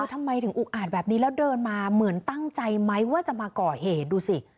ทำไมถึงอุกอาจแบบนี้แล้วเดินมาเหมือนตั้งใจไหมว่าจะมาก่อเหตุดูสิ